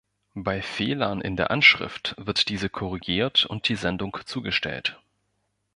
Bei Fehlern in der Anschrift wird diese korrigiert und die Sendung zugestellt.